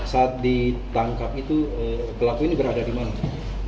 saat ditangkap itu pelaku ini berada di mana